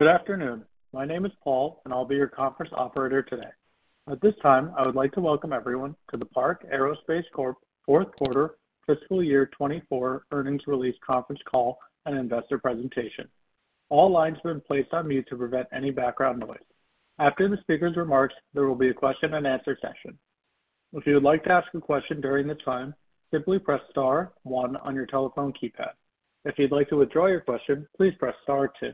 Good afternoon. My name is Paul, and I'll be your conference operator today. At this time, I would like to welcome everyone to the Park Aerospace Corp fourth quarter fiscal year 2024 earnings release conference call and investor presentation. All lines have been placed on mute to prevent any background noise. After the speaker's remarks, there will be a question and answer session. If you would like to ask a question during this time, simply press star one on your telephone keypad. If you'd like to withdraw your question, please press star two.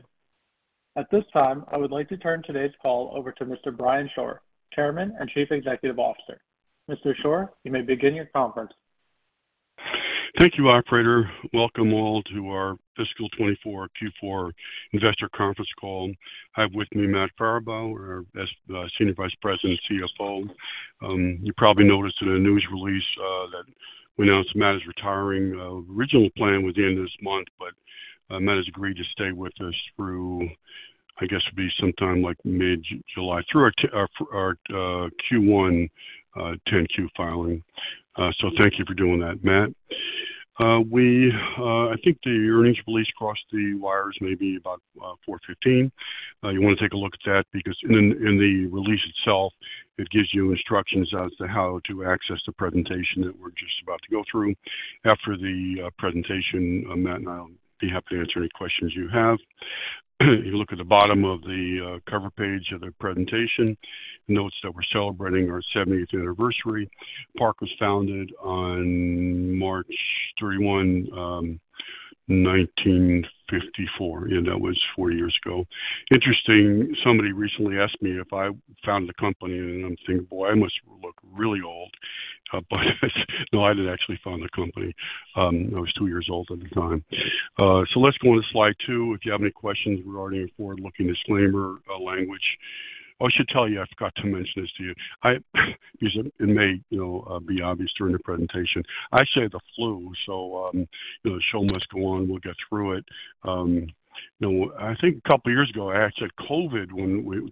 At this time, I would like to turn today's call over to Mr. Brian Shore, Chairman and Chief Executive Officer. Mr. Shore, you may begin your conference. Thank you, operator. Welcome all to our fiscal 2024 Q4 investor conference call. I have with me Matt Farabaugh, our Senior Vice President, CFO. You probably noticed in the news release that we announced Matt is retiring. Original plan was the end of this month, but Matt has agreed to stay with us through, I guess, it'd be sometime like mid-July, through our Q1 10-Q filing. So thank you for doing that, Matt. I think the earnings release crossed the wires maybe about 4:15 P.M. You want to take a look at that because in the release itself, it gives you instructions as to how to access the presentation that we're just about to go through. After the presentation, Matt and I'll be happy to answer any questions you have. You look at the bottom of the cover page of the presentation, notes that we're celebrating our 70th anniversary. Park was founded on March 31, 1954, and that was 40 years ago. Interesting, somebody recently asked me if I founded the company, and I'm thinking, "Boy, I must look really old." But no, I didn't actually found the company. I was two years old at the time. So let's go on to slide two. If you have any questions regarding a forward-looking disclaimer language. I should tell you, I forgot to mention this to you. Because it may, you know, be obvious during the presentation. I say the flu, so, you know, the show must go on. We'll get through it. You know, I think a couple of years ago, I had COVID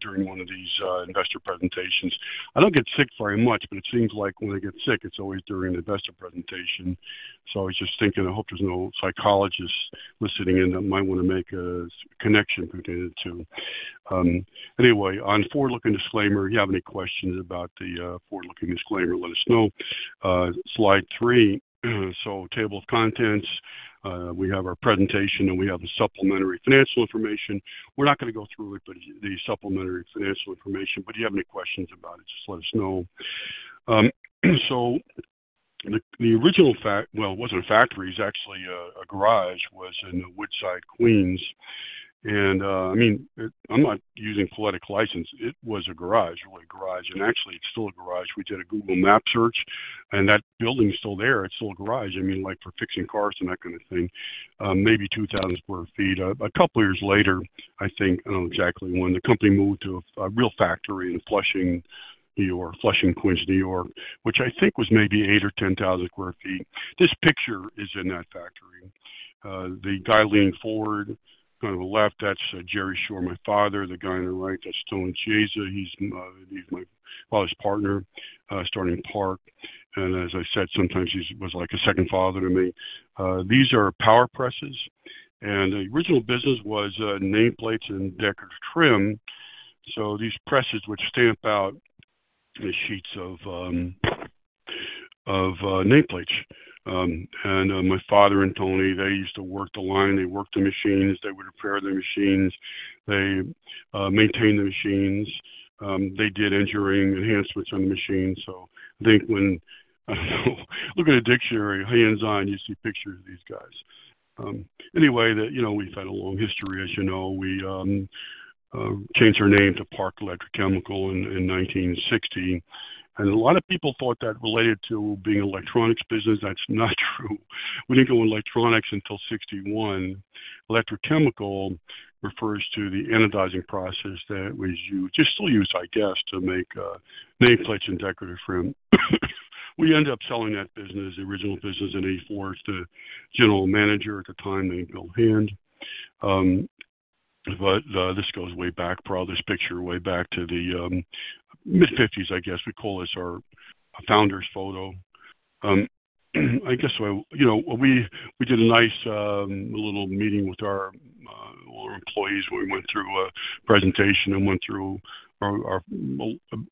during one of these investor presentations. I don't get sick very much, but it seems like when I get sick, it's always during an investor presentation. So I was just thinking, I hope there's no psychologist listening in that might want to make a connection between the two. Anyway, on forward-looking disclaimer, you have any questions about the forward-looking disclaimer, let us know. Slide three. So table of contents, we have our presentation, and we have the supplementary financial information. We're not gonna go through it, but you have any questions about it, just let us know. So, the original factory. Well, it wasn't a factory. It's actually a garage, was in Woodside, Queens. And, I mean, I'm not using poetic license. It was a garage, really a garage, and actually, it's still a garage. We did a Google Map search, and that building is still there. It's still a garage. I mean, like, for fixing cars and that kind of thing, maybe 2,000 sq ft. A couple of years later, I think, I don't know exactly when, the company moved to a real factory in Flushing, New York, Flushing, Queens, New York, which I think was maybe 8,000 sq ft or 10,000 sq ft. This picture is in that factory. The guy leaning forward on the left, that's Jerry Shore, my father. The guy on the right, that's Tony Chiesa. He's, he's my father's partner, starting Park, and as I said, sometimes he's was like a second father to me. These are power presses, and the original business was nameplates and decorative trim. So these presses, which stamp out the sheets of of nameplates. And my father and Tony, they used to work the line, they worked the machines, they would repair the machines, they maintained the machines. They did engineering enhancements on the machines. So I think when, look at a dictionary, hands-on, you see pictures of these guys. Anyway, that, you know, we've had a long history, as you know. We changed our name to Park Electrochemical in 1960, and a lot of people thought that related to being an electronics business. That's not true. We didn't go into electronics until 1961. Electrochemical refers to the anodizing process that was used, is still used, I guess, to make nameplates and decorative trim. We ended up selling that business, the original business, in 1984 to the general manager at the time, named Bill Hand. This goes way back, probably this picture, way back to the mid-1950s, I guess. We call this our founder's photo. I guess, you know, we did a nice little meeting with all our employees. We went through a presentation and went through a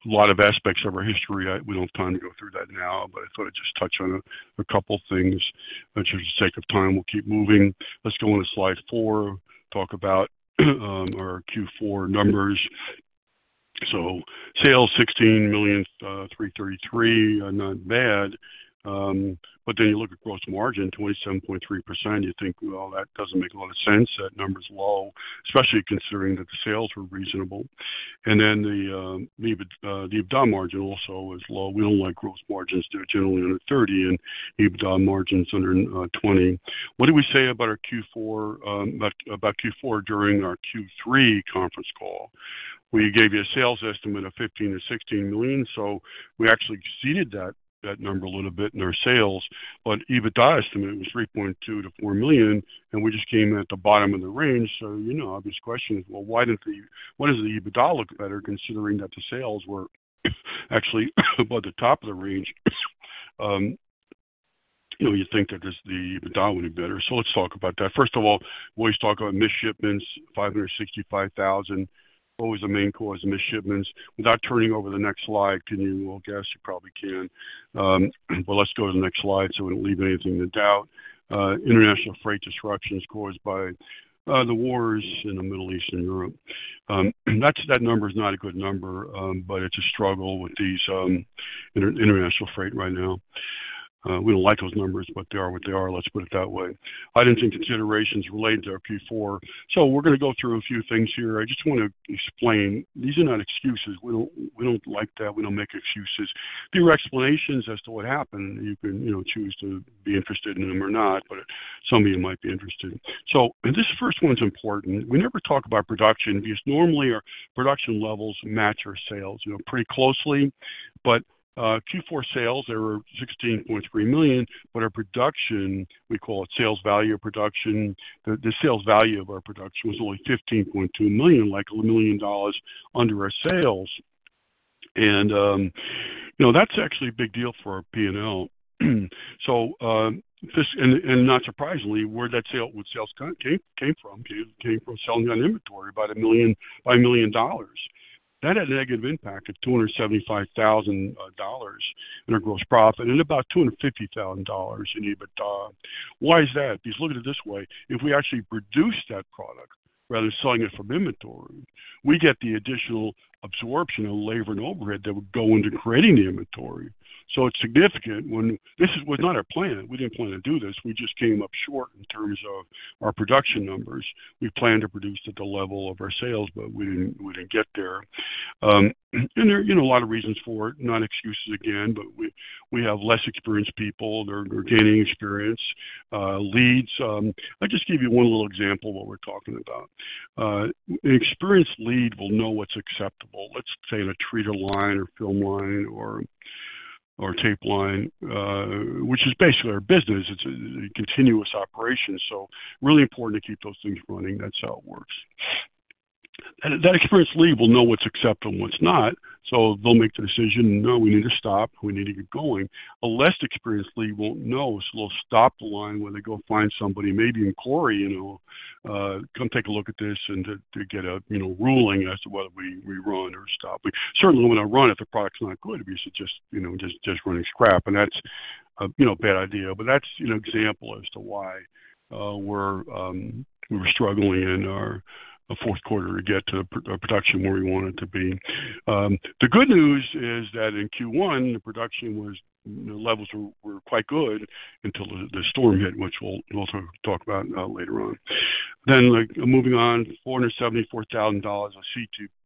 lot of aspects of our history. We don't have time to go through that now, but I thought I'd just touch on a couple things. Just for sake of time, we'll keep moving. Let's go on to slide four, talk about our Q4 numbers. So sales $16.333 million are not bad. But then you look at gross margin 27.3%. You think, "Well, that doesn't make a lot of sense. That number's low, especially considering that the sales were reasonable." And then the EBITDA margin also is low. We don't like gross margins. They're generally under 30, and EBITDA margin's under 20. What did we say about our Q4, about Q4 during our Q3 conference call? We gave you a sales estimate of $15 million-$16 million, so we actually exceeded that number a little bit in our sales. But EBITDA estimate was $3.2 million-$4 million, and we just came in at the bottom of the range. So, you know, obvious question is: Well, why didn't the... Why doesn't the EBITDA look better, considering that the sales were actually about the top of the range? You know, you think that there's the down would be better. So let's talk about that. First of all, we always talk about missed shipments, 565,000. What was the main cause of missed shipments? Without turning over the next slide, can you all guess? You probably can. But let's go to the next slide so we don't leave anything to doubt. International freight disruptions caused by the wars in the Middle East and Europe. That's, that number is not a good number, but it's a struggle with these international freight right now. We don't like those numbers, but they are what they are. Let's put it that way. Items and considerations related to our Q4. So we're gonna go through a few things here. I just want to explain. These are not excuses. We don't, we don't like that. We don't make excuses. They are explanations as to what happened. You can, you know, choose to be interested in them or not, but some of you might be interested. This first one is important. We never talk about production because normally our production levels match our sales, you know, pretty closely. But Q4 sales, they were $16.3 million, but our production, we call it Sales Value of Production. The sales value of our production was only $15.2 million, like $1 million under our sales. And, you know, that's actually a big deal for our P&L. So this, and not surprisingly, where sales came from, came from selling on inventory by $1 million. That had a negative impact of $275,000 in our gross profit and about $250,000 in EBITDA. Why is that? Because look at it this way: if we actually produce that product rather than selling it from inventory, we get the additional absorption of labor and overhead that would go into creating the inventory. So it's significant when this was not our plan. We didn't plan to do this. We just came up short in terms of our production numbers. We planned to produce at the level of our sales, but we didn't, we didn't get there. And there are, you know, a lot of reasons for it, not excuses, again, but we, we have less experienced people. They're, they're gaining experience. I'll just give you one little example of what we're talking about. An experienced lead will know what's acceptable, let's say, in a treater line or film line or tape line, which is basically our business. It's a continuous operation, so really important to keep those things running. That's how it works. And that experienced lead will know what's acceptable and what's not. So they'll make the decision, "No, we need to stop. We need to get going." A less experienced lead won't know, so they'll stop the line when they go find somebody, maybe in quality, you know, "Come take a look at this," and to get a, you know, ruling as to whether we run or stop. We certainly wouldn't want to run if the product's not good, because it's just, you know, just running scrap, and that's a bad idea. But that's an example as to why we're we were struggling in our fourth quarter to get to production where we wanted to be. The good news is that in Q1, the production was, the levels were quite good until the storm hit, which we'll talk about later on. Then, like, moving on, $474,000 of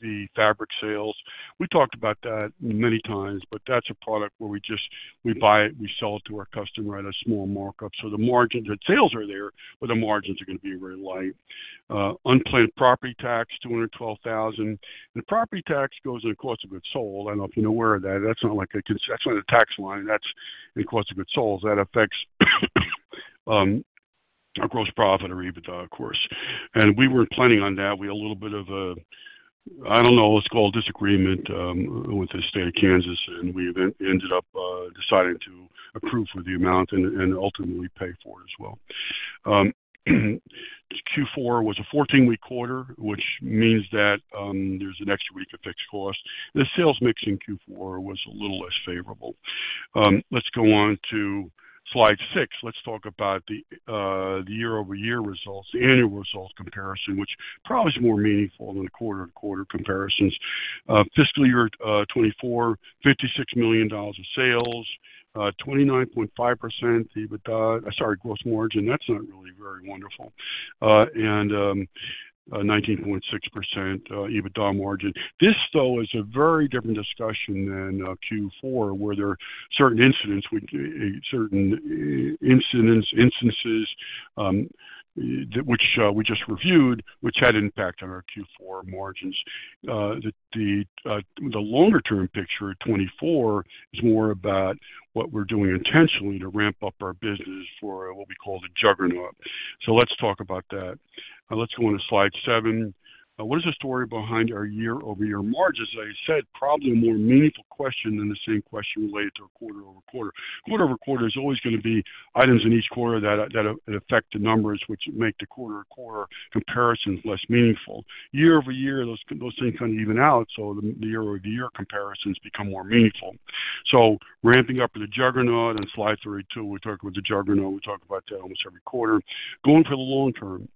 C2B fabric sales. We talked about that many times, but that's a product where we just, we buy it, we sell it to our customer at a small markup. So the margins and sales are there, but the margins are going to be very light. Unplanned property tax, $212,000. The property tax goes in the cost of goods sold. I don't know if you're aware of that. That's not a tax line. That's in cost of goods sold. That affects our gross profit or EBITDA, of course. And we weren't planning on that. We had a little bit of a, I don't know, let's call it disagreement with the state of Kansas, and we ended up deciding to approve for the amount and ultimately pay for it as well. Q4 was a 14-week quarter, which means that there's an extra week of fixed cost. The sales mix in Q4 was a little less favorable. Let's go on to slide 6. Let's talk about the year-over-year results, the annual results comparison, which probably is more meaningful than the quarter-on-quarter comparisons. Fiscal year 2024, $56 million of sales, 29.5% EBITDA - sorry, gross margin. That's not really very wonderful. And 19.6% EBITDA margin. This, though, is a very different discussion than Q4, where there are certain incidents, instances that we just reviewed, which had an impact on our Q4 margins. The longer term picture at 2024 is more about what we're doing intentionally to ramp up our business for what we call the Juggernaut. So let's talk about that. Now let's go on to slide seven. What is the story behind our year-over-year margins? As I said, probably a more meaningful question than the same question related to a quarter-over-quarter. Quarter-over-quarter is always going to be items in each quarter that affect the numbers, which make the quarter-over-quarter comparisons less meaningful. Year-over-year, those, those things even out, so the year-over-year comparisons become more meaningful. So ramping up the Juggernaut, on slide 32, we talked about the Juggernaut. We talk about that almost every quarter. Going for the long term.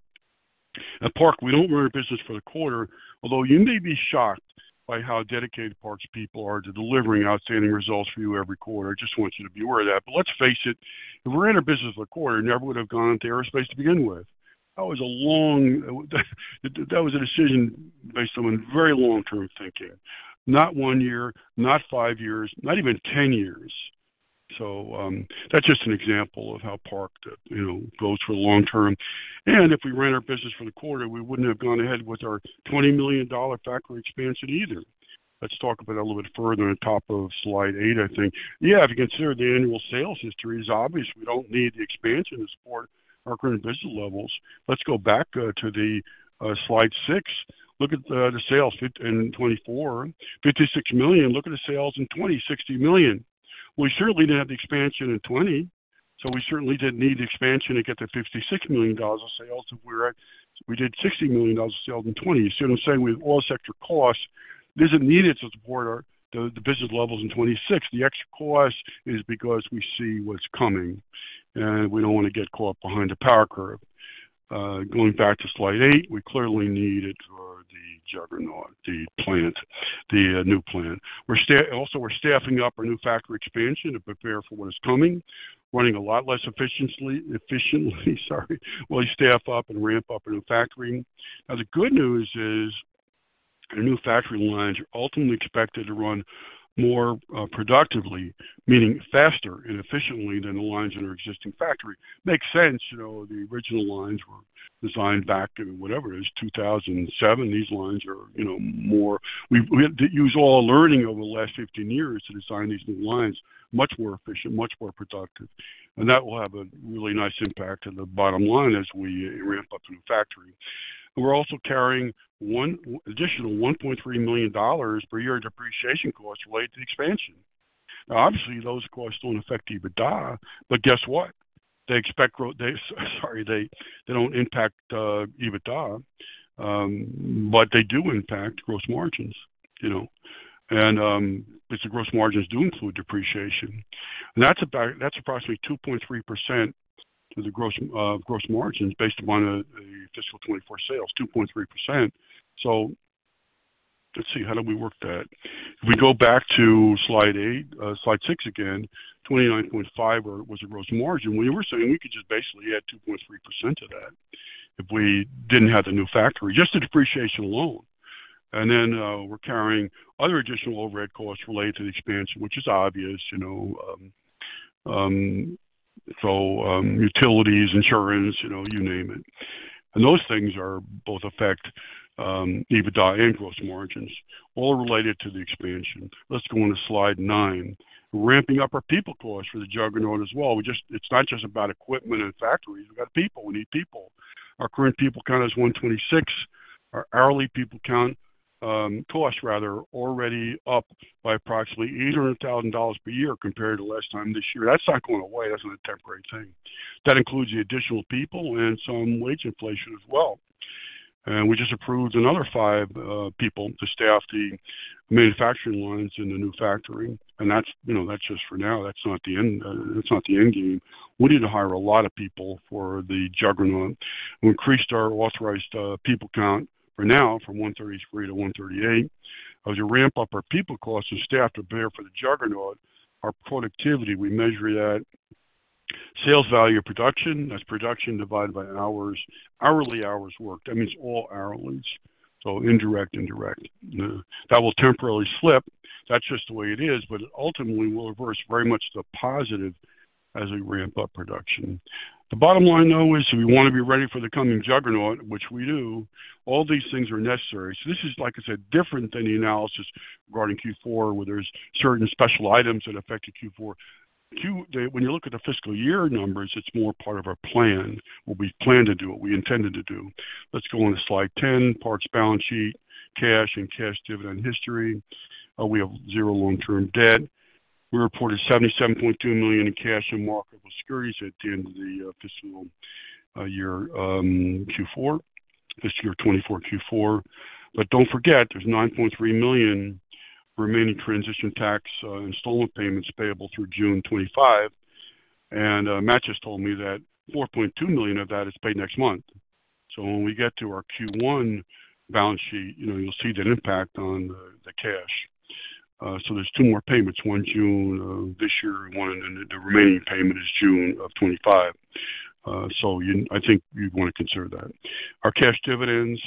At Park, we don't run a business for the quarter. Although you may be shocked by how dedicated Park's people are to delivering outstanding results for you every quarter. I just want you to be aware of that. But let's face it, if we're in a business for a quarter, we never would have gone into aerospace to begin with. That was a long... That was a decision based on very long-term thinking. Not 1 year, not 5 years, not even 10 years. So, that's just an example of how Park, you know, goes for the long term. And if we ran our business for the quarter, we wouldn't have gone ahead with our $20 million factory expansion either. Let's talk about it a little bit further on top of slide eight, I think. Yeah, if you consider the annual sales history, it's obvious we don't need the expansion to support our current business levels. Let's go back to the slide six. Look at the sales in 2024, $56 million. Look at the sales in 2020, $60 million. We certainly didn't have the expansion in 2020. So we certainly didn't need the expansion to get to $56 million dollars of sales, so we're at, we did $60 million dollars of sales in 2020. So what I'm saying, with all this extra costs, it isn't needed to support our the business levels in 2026. The extra cost is because we see what's coming, and we don't want to get caught behind the power curve. Going back to slide 8, we clearly need it for the Juggernaut, the plant, the new plant. We're also staffing up our new factory expansion to prepare for what is coming. Running a lot less efficiently, sorry, while we staff up and ramp up a new factory. Now, the good news is our new factory lines are ultimately expected to run more productively, meaning faster and efficiently than the lines in our existing factory. Makes sense, you know, the original lines were designed back in whatever it is, 2007. These lines are, you know, more. We use all our learning over the last 15 years to design these new lines. Much more efficient, much more productive, and that will have a really nice impact on the bottom line as we ramp up the new factory. We're also carrying an additional $1.3 million per year in depreciation costs related to the expansion. Now, obviously, those costs don't affect EBITDA, but guess what? They don't impact EBITDA, but they do impact gross margins, you know, and because the gross margins do include depreciation, and that's about, that's approximately 2.3% of the gross gross margins based upon the fiscal 2024 sales, 2.3%. So let's see, how do we work that? If we go back to slide eight, slide six again, 29.5 was a gross margin. We were saying we could just basically add 2.3% to that if we didn't have the new factory, just the depreciation alone. And then, we're carrying other additional overhead costs related to the expansion, which is obvious, you know, utilities, insurance, you know, you name it. And those things are both affect EBITDA and gross margins, all related to the expansion. Let's go on to slide nine. Ramping up our people costs for the Juggernaut as well. We just. It's not just about equipment and factories. We've got people. We need people. Our current people count is 126. Our hourly people count, cost rather, already up by approximately $800,000 per year compared to last time this year. That's not going away. That's not a temporary thing. That includes the additional people and some wage inflation as well. We just approved another five people to staff the manufacturing lines in the new factory. That's, you know, that's just for now. That's not the end, that's not the end game. We need to hire a lot of people for the Juggernaut. We increased our authorized people count for now from 133 to 138. As we ramp up our people costs and staff to prepare for the Juggernaut, our productivity, we measure that. Sales value of production, that's production divided by hours, hourly hours worked. That means all hourly, so indirect and direct. That will temporarily slip. That's just the way it is, but ultimately will reverse very much to positive as we ramp up production. The bottom line, though, is we want to be ready for the coming Juggernaut, which we do. All these things are necessary. So this is, like I said, different than the analysis regarding Q4, where there's certain special items that affected Q4. When you look at the fiscal year numbers, it's more part of our plan, what we plan to do, what we intended to do. Let's go on to slide 10, Park's balance sheet, cash and cash dividend history. We have zero long-term debt. We reported $77.2 million in cash and marketable securities at the end of the fiscal year Q4 this year, 2024 Q4. But don't forget, there's $9.3 million remaining transition tax installment payments payable through June 2025. And Matt just told me that $4.2 million of that is paid next month. So when we get to our Q1 balance sheet, you know, you'll see that impact on the cash. So there's 2 more payments, one June of this year, one, and the remaining payment is June of 2025. So you, I think you'd want to consider that. Our cash dividends,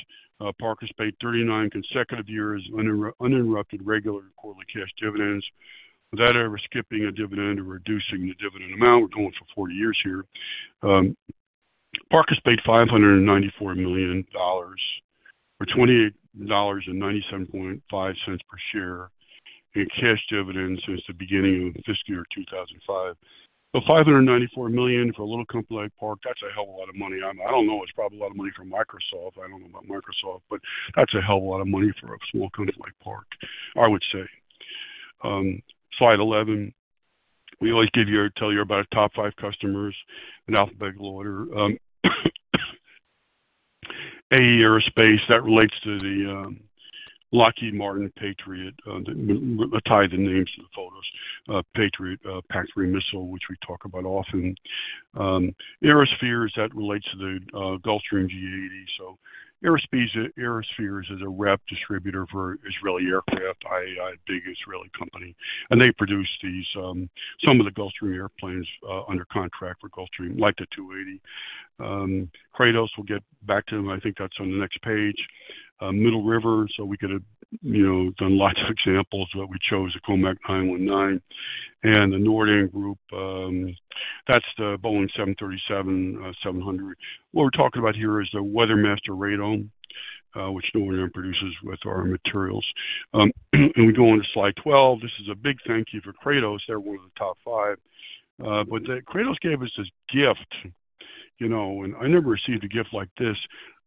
Park has paid 39 consecutive years, uninterrupted, regular quarterly cash dividends. Without ever skipping a dividend or reducing the dividend amount, we're going for 40 years here. Park has paid $594 million, or $28.975 per share in cash dividends since the beginning of fiscal year 2005. But $594 million for a little company like Park, that's a hell of a lot of money. I don't know. It's probably a lot of money for Microsoft. I don't know about Microsoft, but that's a hell of a lot of money for a small company like Park, I would say. Slide 11. We always give you or tell you about our top five customers in alphabetical order. AAE Aerospace, that relates to the Lockheed Martin Patriot. I tied the names to the photos, Patriot missile, which we talk about often. Aero-Sphere, that relates to the Gulfstream G280. So Aero-Sphere is a rep distributor for Israeli aircraft, IAI, a big Israeli company, and they produce these, some of the Gulfstream airplanes, under contract for Gulfstream, like the 280. Kratos, we'll get back to them. I think that's on the next page. Middle River, so we could have, you know, done lots of examples, but we chose the COMAC C919. The NORDAM Group, that's the Boeing 737-700. What we're talking about here is the WeatherMaster radome, which Nordam produces with our materials. We go on to slide 12. This is a big thank you for Kratos. They're one of the top five. But Kratos gave us this gift. You know, and I never received a gift like this.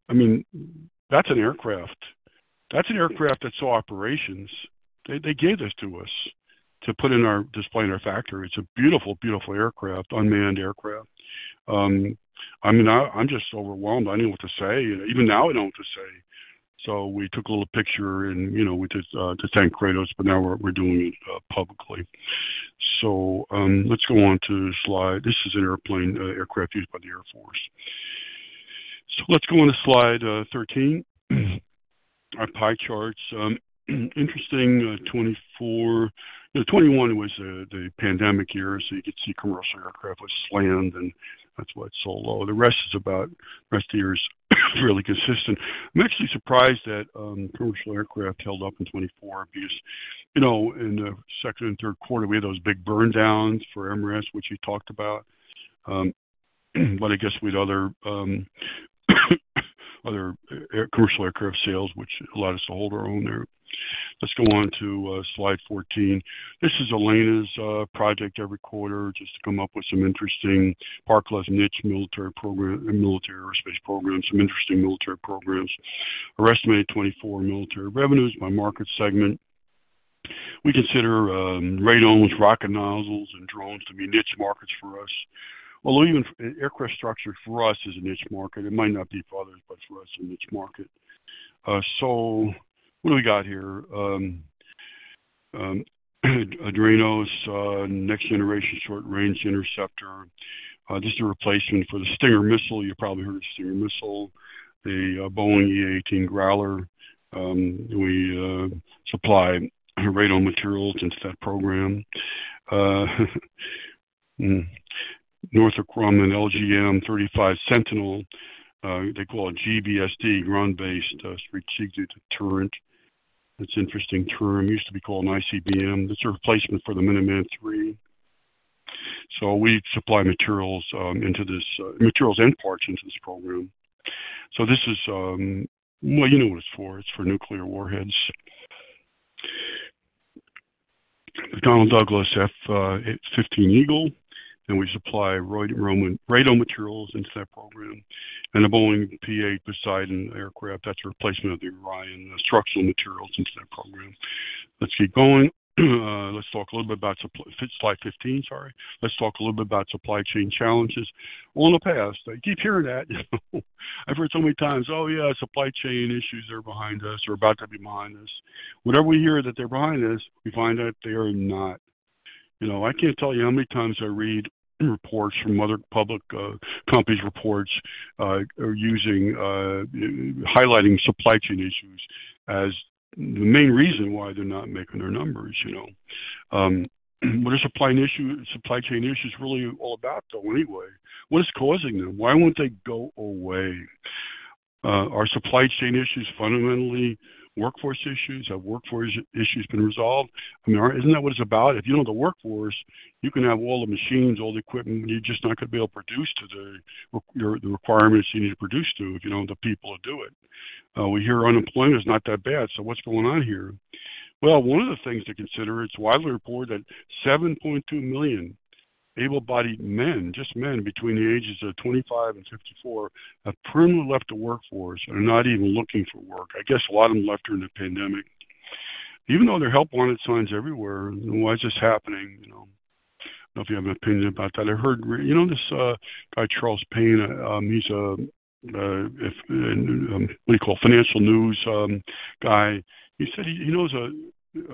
I mean, that's an aircraft. That's an aircraft that saw operations. They gave this to us to put in our display in our factory. It's a beautiful, beautiful aircraft, unmanned aircraft. I mean, I'm just overwhelmed. I didn't know what to say. Even now, I don't know what to say. So we took a little picture and, you know, we just to thank Kratos, but now we're doing it publicly. Let's go on to the slide. This is an airplane, aircraft used by the Air Force. Let's go on to slide 13. Our pie charts. Interesting, 2024... 2021 was the pandemic year, so you could see commercial aircraft was slammed, and that's why it's so low. The rest of the year is fairly consistent. I'm actually surprised that commercial aircraft held up in 2024 because, you know, in the second and third quarter, we had those big burndowns for MRAS, which we talked about. But I guess we had other commercial aircraft sales, which allowed us to hold our own there. Let's go on to slide 14. This is Elena's project every quarter, just to come up with some interesting Park's niche military program, and military aerospace program, some interesting military programs. Our estimated 2024 military revenues by market segment. We consider radomes, rocket nozzles, and drones to be niche markets for us. Although even aircraft structure for us is a niche market. It might not be for others, but for us, a niche market. So what do we got here? Adranos Next Generation Short-Range Interceptor. This is a replacement for the Stinger missile. You probably heard of Stinger missile, the Boeing EA-18G Growler. We supply radome materials into that program. Northrop Grumman LGM-35 Sentinel, they call it GBSD, Ground-Based Strategic Deterrent. It's interesting term, used to be called an ICBM. It's a replacement for the Minuteman III. So we supply materials into this, materials and parts into this program. So this is, well, you know what it's for. It's for nuclear warheads. McDonnell Douglas F-15 Eagle, and we supply radome materials into that program. And the Boeing P-8 Poseidon aircraft, that's a replacement of the Orion structural materials into that program. Let's keep going. Let's talk a little bit about supply... Slide 15, sorry. Let's talk a little bit about supply chain challenges. Well, in the past, I keep hearing that, you know? I've heard so many times, "Oh, yeah, supply chain issues are behind us, or about to be behind us." Whenever we hear that they're behind us, we find out they are not. You know, I can't tell you how many times I read reports from other public companies' reports are using highlighting supply chain issues as the main reason why they're not making their numbers, you know? What are supply chain issues really all about, though, anyway? What is causing them? Why won't they go away? Are supply chain issues fundamentally workforce issues? Have workforce issues been resolved? I mean, isn't that what it's about? If you don't have the workforce, you can have all the machines, all the equipment, you're just not gonna be able to produce to the requirements you need to produce to, if you don't have the people to do it. We hear unemployment is not that bad, so what's going on here? Well, one of the things to consider, it's widely reported that 7.2 million able-bodied men, just men between the ages of 25 and 54, have permanently left the workforce and are not even looking for work. I guess a lot of them left during the pandemic. Even though there are help wanted signs everywhere, why is this happening, you know? I don't know if you have an opinion about that. I heard, you know, this guy, Charles Payne, he's a financial news guy. He said he knows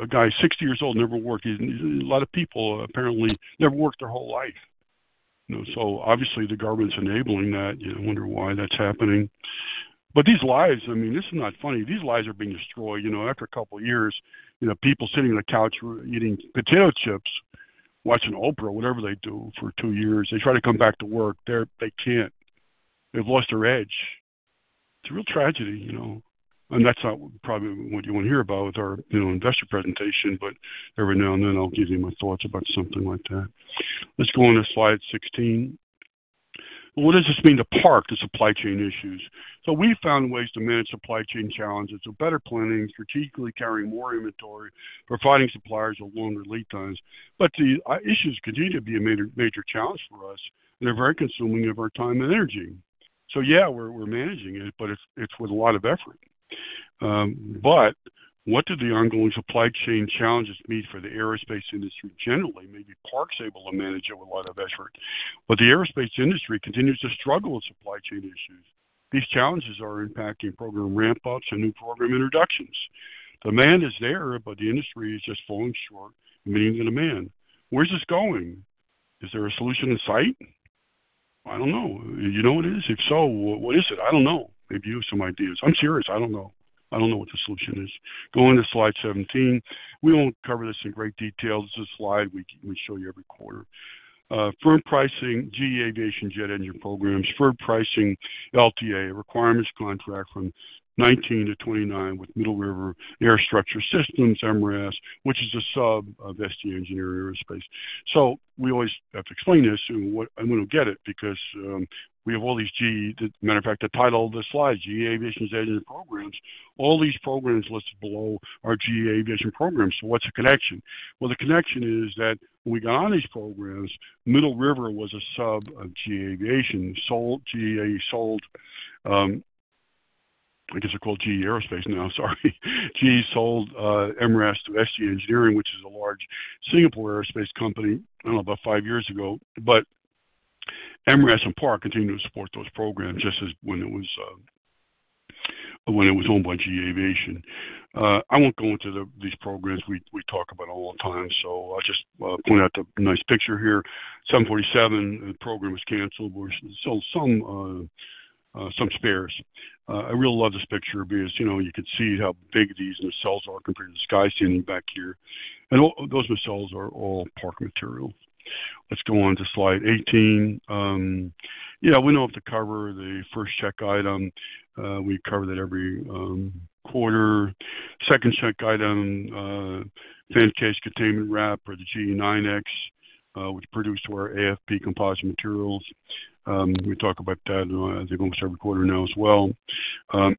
a guy, 60 years old, never worked. A lot of people apparently never worked their whole life, you know, so obviously the government's enabling that. You wonder why that's happening. But these lives, I mean, this is not funny. These lives are being destroyed. You know, after a couple of years, you know, people sitting on the couch eating potato chips, watching Oprah, whatever they do for two years, they try to come back to work, they're. They can't. They've lost their edge. It's a real tragedy, you know, and that's not probably what you want to hear about with our, you know, investor presentation, but every now and then, I'll give you my thoughts about something like that. Let's go on to slide 16. What does this mean to Park, the supply chain issues? So we've found ways to manage supply chain challenges with better planning, strategically carrying more inventory, providing suppliers with longer lead times. But the issues continue to be a major, major challenge for us, and they're very consuming of our time and energy. So yeah, we're, we're managing it, but it's, it's with a lot of effort. But what do the ongoing supply chain challenges mean for the aerospace industry generally? Maybe Park's able to manage it with a lot of effort, but the aerospace industry continues to struggle with supply chain issues. These challenges are impacting program ramp-ups and new program introductions. The demand is there, but the industry is just falling short of meeting the demand. Where's this going? Is there a solution in sight? I don't know. You know what it is? If so, what is it? I don't know. Maybe you have some ideas. I'm curious. I don't know. I don't know what the solution is. Go on to slide 17. We won't cover this in great detail. This is a slide we show you every quarter. Firm pricing, GE Aviation jet engine programs, firm pricing, LTA, requirements contract from 2019 to 2029 with Middle River Aerostructure Systems, MRAS, which is a sub of ST Engineering Aerospace. So we always have to explain this, and we'll get it because we have all these GE. Matter of fact, the title of this slide, GE Aviation's engine programs. All these programs listed below are GE Aviation programs. So what's the connection? Well, the connection is that when we got on these programs, Middle River was a sub of GE Aviation. GE sold, I guess they're called GE Aerospace now. Sorry. GE sold MRAS to ST Engineering, which is a large Singapore aerospace company, about five years ago. But MRAS and Park continue to support those programs, just as when it was owned by GE Aviation. I won't go into these programs. We talk about them all the time, so I'll just point out the nice picture here. 747, the program was canceled. We sold some spares. I really love this picture because, you know, you can see how big these nacelles are compared to the guy standing back here. And all those nacelles are all Park material. Let's go on to slide 18. Yeah, we don't have to cover the first check item. We cover that every quarter. Second check item, fan case containment wrap for the GE9X, which produced our AFP composite materials. We talk about that, I think, almost every quarter now as well. But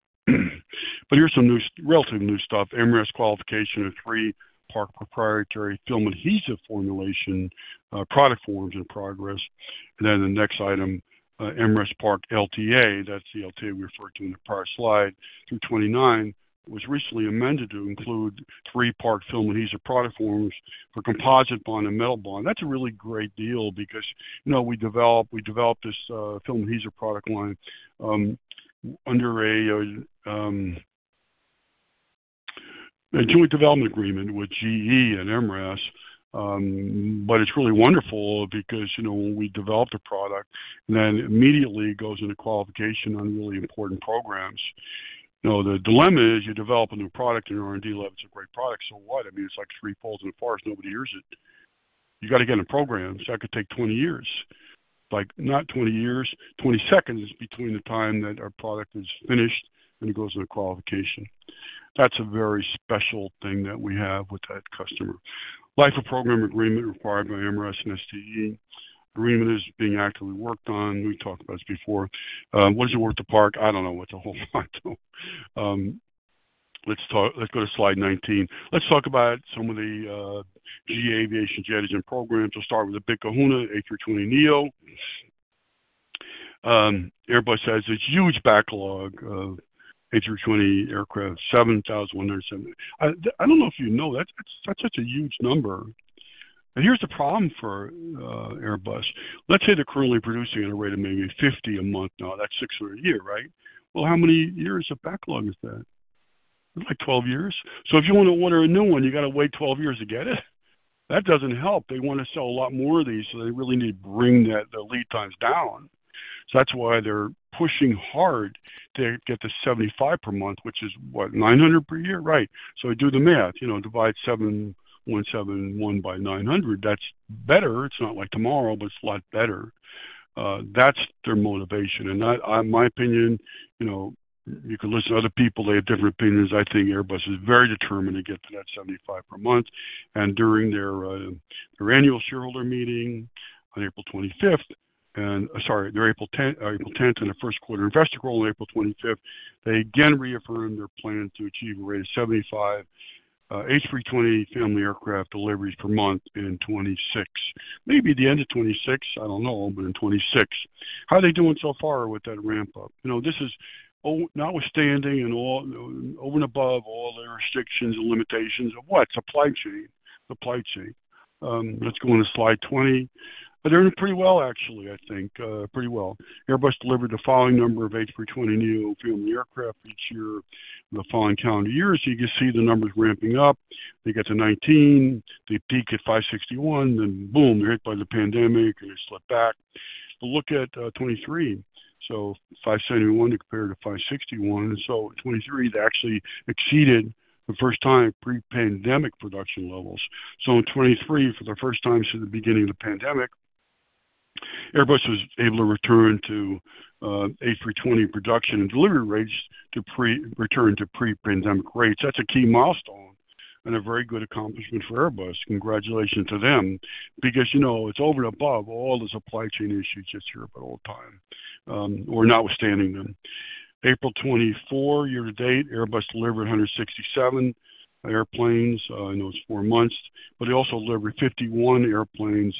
here's some new, relatively new stuff. MRAS qualification of three Park proprietary film adhesive formulation product forms in progress. Then the next item, MRAS Park LTA, that's the LTA we referred to in the prior slide, 229, was recently amended to include three Park film adhesive product forms for composite bond and metal bond. That's a really great deal because, you know, we developed, we developed this film adhesive product line under a joint development agreement with GE and MRAS. But it's really wonderful because, you know, when we develop the product, then immediately it goes into qualification on really important programs. You know, the dilemma is you develop a new product in your R&D lab, it's a great product. So what? I mean, it's like three poles in a forest. Nobody hears it. You got to get in a program, so that could take 20 years. Like, not twenty years, twenty seconds between the time that our product is finished and it goes into qualification. That's a very special thing that we have with that customer. Life-of-program agreement required by MRAS and STE. Agreement is being actively worked on. We've talked about this before. What is it worth to Park? I don't know. It's a whole lot. Let's talk... Let's go to slide nineteen. Let's talk about some of the, GE Aviation jet engine programs. We'll start with the big kahuna, A320neo. Airbus has this huge backlog of A320 aircraft, 7,170. I don't know if you know, that's, that's such a huge number. And here's the problem for, Airbus. Let's say they're currently producing at a rate of maybe 50 a month. Now, that's 600 a year, right? Well, how many years of backlog is that? Like, 12 years. So if you want to order a new one, you got to wait 12 years to get it. That doesn't help. They want to sell a lot more of these, so they really need to bring that, the lead times down. So that's why they're pushing hard to get to 75 per month, which is, what? 900 per year. Right. So do the math, you know, divide 7,171 by 900. That's better. It's not like tomorrow, but it's a lot better. That's their motivation. And in my opinion, you know, you can listen to other people, they have different opinions. I think Airbus is very determined to get to that 75 per month. And during their annual shareholder meeting on April 25th, and... Sorry, their April 10, April 10th, and their first quarter investor call on April 25, they again reaffirmed their plan to achieve a rate of 75 A320 family aircraft deliveries per month in 2026. Maybe the end of 2026, I don't know, but in 2026. How are they doing so far with that ramp-up? You know, this is notwithstanding and all, over and above all the restrictions and limitations of what? Supply chain. Supply chain. Let's go on to slide 20. They're doing pretty well, actually, I think, pretty well. Airbus delivered the following number of A320neo family aircraft each year in the following calendar years. You can see the numbers ramping up. They get to 2019, they peak at 561, then boom, they're hit by the pandemic, and they slip back. But look at 2023. So 571 compared to 561. In 2023, they actually exceeded for the first time pre-pandemic production levels. In 2023, for the first time since the beginning of the pandemic, Airbus was able to return to A320 production and delivery rates to pre-pandemic rates. That's a key milestone and a very good accomplishment for Airbus. Congratulations to them. Because, you know, it's over and above all the supply chain issues that's here at all time or notwithstanding them. April 2024 year to date, Airbus delivered 167 airplanes in those four months, but they also delivered 51 airplanes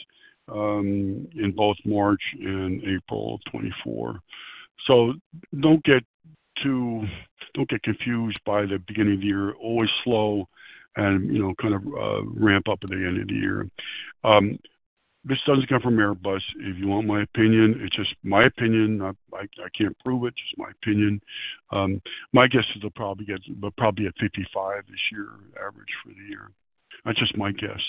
in both March and April of 2024. So don't get too confused by the beginning of the year. Always slow and, you know, kind of, ramp up at the end of the year. This doesn't come from Airbus, if you want my opinion. It's just my opinion, not I can't prove it, just my opinion. My guess is they'll probably get, but probably at 55 this year, average for the year. That's just my guess.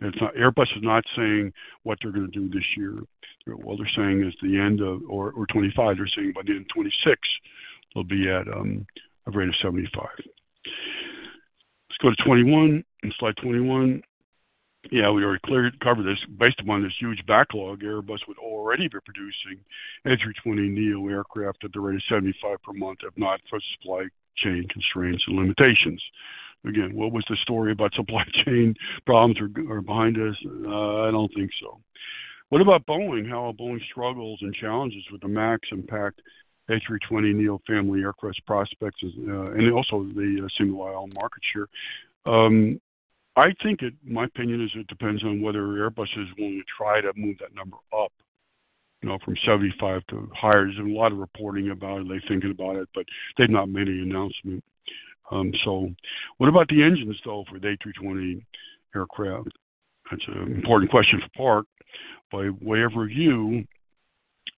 It's not—Airbus is not saying what they're going to do this year. What they're saying is the end of or 2025. They're saying by the end of 2026, they'll be at a rate of 75. Let's go to 21, in slide 21. Yeah, we already covered this. Based upon this huge backlog, Airbus would already be producing A320neo aircraft at the rate of 75 per month, if not for supply chain constraints and limitations. Again, what was the story about supply chain problems are behind us? I don't think so. What about Boeing? How are Boeing's struggles and challenges with the MAX impact A320neo family aircraft prospects, and also the single-aisle market share? I think it, my opinion is it depends on whether Airbus is willing to try to move that number up.... You know, from 75 to higher. There's a lot of reporting about it. They're thinking about it, but they've not made any announcement. So what about the engine install for the A320 aircraft? That's an important question for Park. By way of review,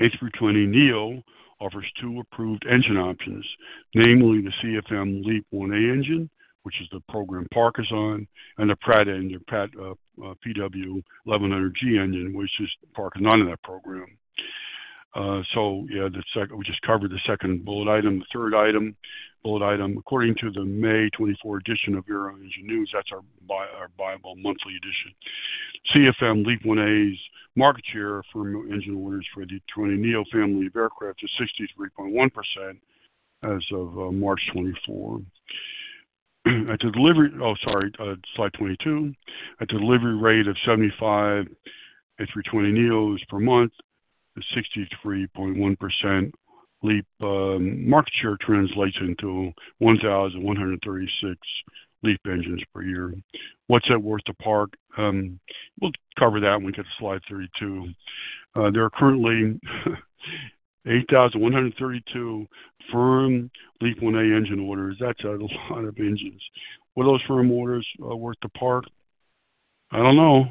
A320neo offers two approved engine options, namely the CFM LEAP-1A engine, which is the program Park is on, and the Pratt engine, Pratt, PW1100G engine, which is Park is not on that program. So yeah, the second-- we just covered the second bullet item. The third item, bullet item, according to the May 2024 edition of Aero Engine News, that's our bi-monthly edition. CFM LEAP-1A's market share for engine orders for the A320neo family of aircraft is 63.1% as of March 2024. At a delivery rate of 75 A320neos per month, the 63.1% LEAP market share translates into 1,136 LEAP engines per year. What's that worth to Park? We'll cover that when we get to slide 32. There are currently 8,132 firm LEAP-1A engine orders. That's a lot of engines. What are those firm orders worth to Park? I don't know.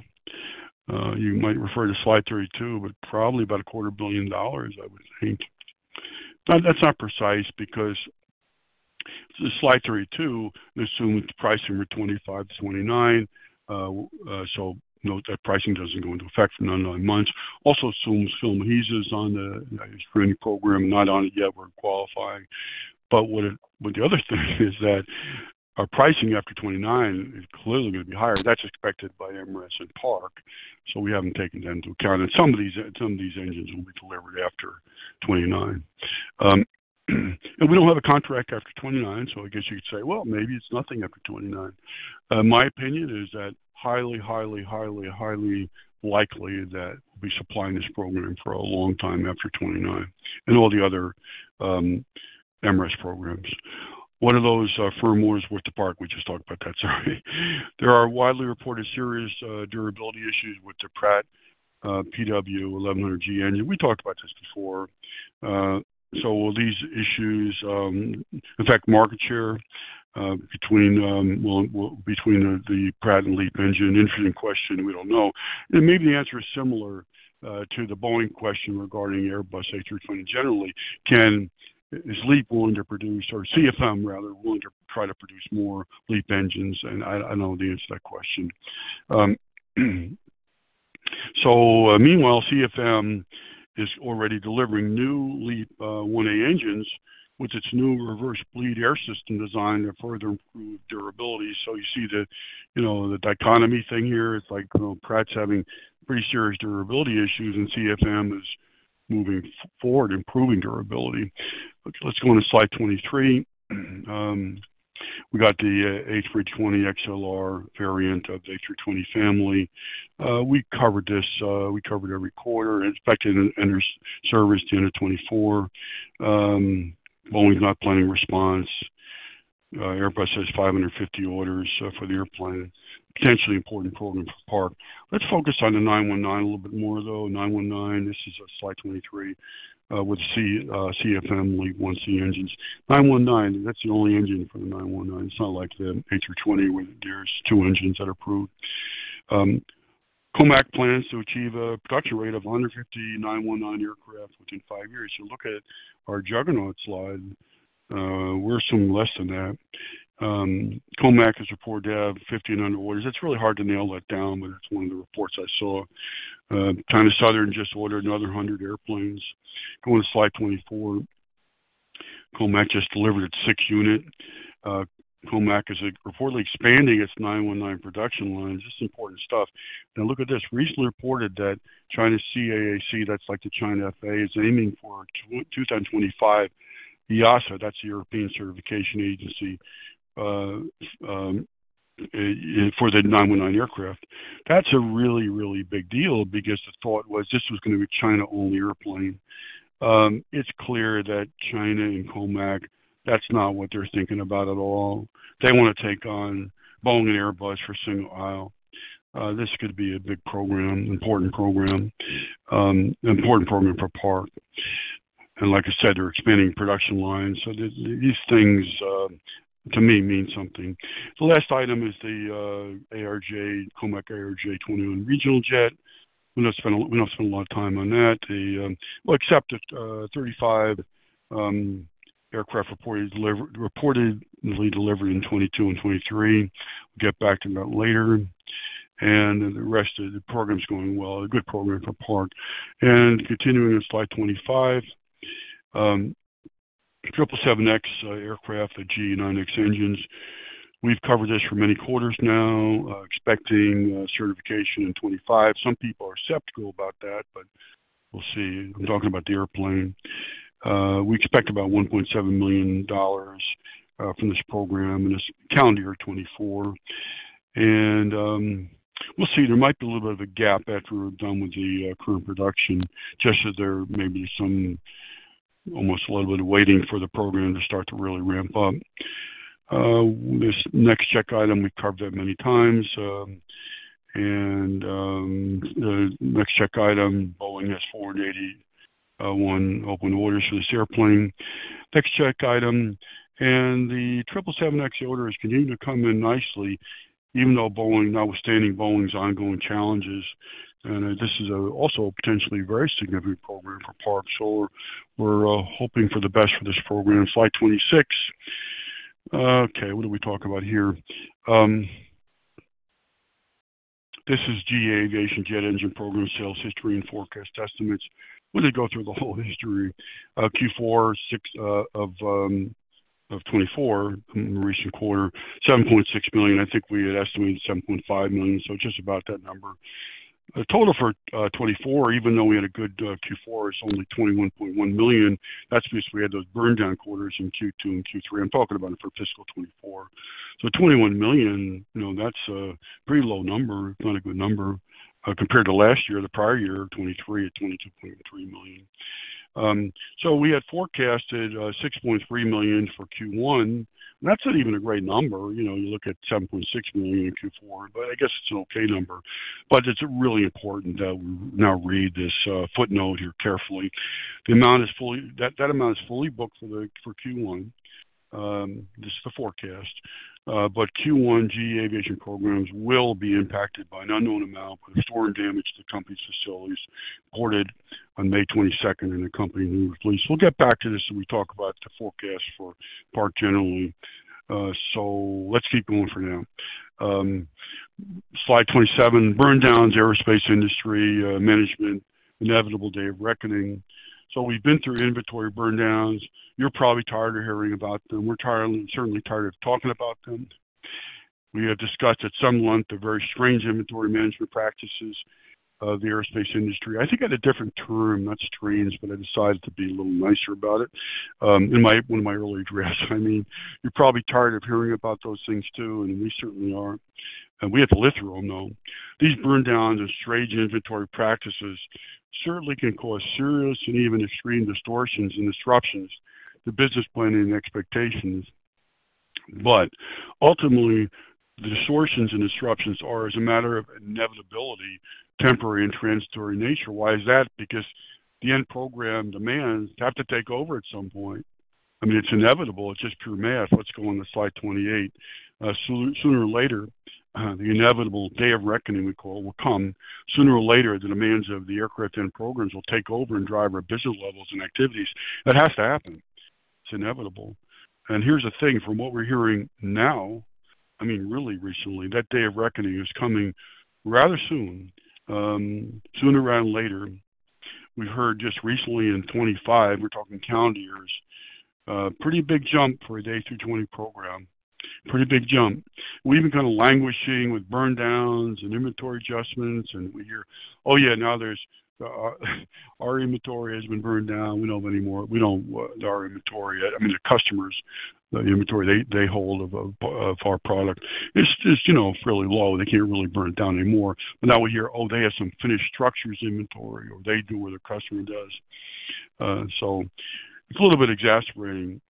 You might refer to slide 32, but probably about $250 million, I would think. But that's not precise, because the slide 32 assumes the pricing year 2025, 2029. So note that pricing doesn't go into effect for another nine months. Also assumes film adhesives on the A320 program, not on it yet or qualifying. But the other thing is that our pricing after 2029 is clearly going to be higher. That's expected by Emirates and Park, so we haven't taken that into account. And some of these, some of these engines will be delivered after 2029. And we don't have a contract after 2029, so I guess you could say, "Well, maybe it's nothing after 2029." My opinion is that highly, highly, highly, highly likely that we'll be supplying this program for a long time after 2029 and all the other Emirates programs. What are those firm orders worth to Park? We just talked about that, sorry. There are widely reported serious durability issues with the Pratt PW1100G engine. We talked about this before. So will these issues affect market share between well, between the Pratt and LEAP engine? Interesting question. We don't know. And maybe the answer is similar to the Boeing question regarding Airbus A320 generally, is LEAP willing to produce, or CFM, rather, willing to try to produce more LEAP engines? And I don't know the answer to that question. So meanwhile, CFM is already delivering new LEAP-1A engines with its new reverse bleed air system design to further improve durability. So you see the, you know, the dichotomy thing here. It's like, you know, Pratt's having pretty serious durability issues, and CFM is moving forward, improving durability. Let's go on to slide 23. We got the A320XLR variant of the A320 family. We covered this, we covered every quarter. Expected to enter service in 2024. Boeing's not planning response. Airbus has 550 orders for the airplane. Potentially important program for Park. Let's focus on the C919 a little bit more, though. C919, this is a slide 23 with CFM LEAP-1C engines. C919, that's the only engine for the C919. It's not like the A320, where there's two engines that are approved. COMAC plans to achieve a production rate of 150 C919 aircraft within five years. So look at our juggernaut slide. We're assuming less than that. COMAC is reported to have 59 orders. It's really hard to nail that down, but it's one of the reports I saw. China Southern just ordered another 100 airplanes. Go to slide 24. COMAC just delivered its 6th unit. COMAC is reportedly expanding its C919 production lines. This is important stuff. Now, look at this. Recently reported that China's CAAC, that's like the China FAA, is aiming for 2025 EASA, that's the European Certification Agency, for the C919 aircraft. That's a really, really big deal because the thought was this was going to be a China-only airplane. It's clear that China and COMAC, that's not what they're thinking about at all. They want to take on Boeing and Airbus for single aisle. This could be a big program, important program, important program for Park. And like I said, they're expanding production lines. So these, these things, to me, mean something. The last item is the ARJ21, COMAC ARJ21 regional jet. We're not spending a lot of time on that. Well, except it, 35 aircraft reportedly delivered in 2022 and 2023. We'll get back to that later. And the rest of the program is going well. A good program for Park. And continuing on slide 25. 777X aircraft, the GE9X engines. We've covered this for many quarters now. Expecting certification in 2025. Some people are skeptical about that, but we'll see. I'm talking about the airplane. We expect about $1.7 million from this program in this calendar year 2024. And we'll see. There might be a little bit of a gap after we're done with the current production, just as there may be some almost a little bit of waiting for the program to start to really ramp up. This next check item, we've covered that many times. And the next check item, Boeing has 481 open orders for this airplane. Next check item, and the 777X orders continue to come in nicely, even though Boeing, notwithstanding Boeing's ongoing challenges. And this is also a potentially very significant program for Park. So we're hoping for the best for this program. Slide 26. Okay, what do we talk about here? This is GE Aviation jet engine program, sales history and forecast estimates. We're gonna go through the whole history. Q4 of 2024, recent quarter, $7.6 million. I think we had estimated $7.5 million, so just about that number. The total for 2024, even though we had a good Q4, is only $21.1 million. That's because we had those burndown quarters in Q2 and Q3. I'm talking about it for fiscal 2024. So $21 million, you know, that's a pretty low number. Not a good number, compared to last year, the prior year, 2023 at $22.3 million. So we had forecasted $6.3 million for Q1, and that's not even a great number. You know, you look at $7.6 million in Q4, but I guess it's an okay number, but it's really important that we now read this footnote here carefully. That amount is fully booked for Q1. This is the forecast, but Q1 GE Aviation programs will be impacted by an unknown amount by the storm damage to the company's facilities, reported on May twenty-second in a company news release. We'll get back to this when we talk about the forecast for Park generally. So let's keep going for now. Slide 27. Burndowns, aerospace industry management, inevitable day of reckoning. So we've been through inventory burndowns. You're probably tired of hearing about them. We're tired, certainly tired of talking about them. We have discussed at some length, the very strange inventory management practices of the aerospace industry. I think I had a different term, not strange, but I decided to be a little nicer about it, in one of my earlier drafts. I mean, you're probably tired of hearing about those things too, and we certainly are, and we have to live through them, though. These burndowns and strange inventory practices certainly can cause serious and even extreme distortions and disruptions to business planning and expectations. But ultimately, the distortions and disruptions are, as a matter of inevitability, temporary and transitory in nature. Why is that? Because the end program demands have to take over at some point. I mean, it's inevitable. It's just pure math. Let's go on to slide 28. Sooner or later, the inevitable day of reckoning we call, will come. Sooner or later, the demands of the aircraft and programs will take over and drive our business levels and activities. That has to happen. It's inevitable. And here's the thing, from what we're hearing now, I mean, really recently, that day of reckoning is coming rather soon, sooner rather than later. We heard just recently in 2025, we're talking calendar years, pretty big jump for an A320 program. Pretty big jump. We've been kind of languishing with burndowns and inventory adjustments, and we hear, "Oh, yeah, now there's our inventory has been burned down. We don't have any more. We don't our inventory." I mean, the customers, the inventory they hold of our product, it's you know fairly low. They can't really burn it down anymore. But now we hear, oh, they have some finished structures inventory, or they do what a customer does. So it's a little bit exasperating,